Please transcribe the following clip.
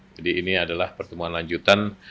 jadi ini adalah pertemuan lanjutan